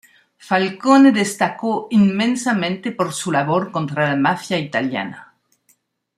Falcone destacó inmensamente por su labor contra la mafia italiana.